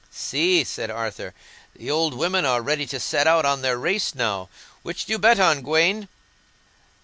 "See," said Arthur, "the old women are ready to set out on their race now. Which do you bet on, Gawaine?"